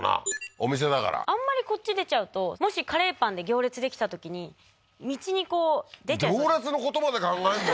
お店だからあんまりこっち出ちゃうともしカレーパンで行列できたときに道にこう出ちゃう行列のことまで考えんの？